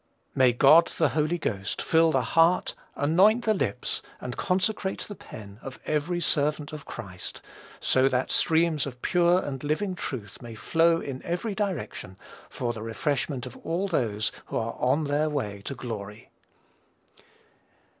May God the Holy Ghost fill the heart, anoint the lips, and consecrate the pen of every servant of Christ, so that streams of pure and living truth may flow in every direction for the refreshment of all those who are on their way to glory.